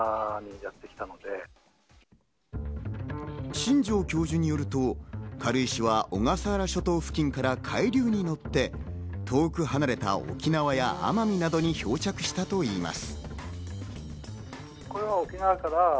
新城教授によると、軽石は小笠原諸島付近から海流に乗って、遠く離れた沖縄や奄美などに漂着したといいます。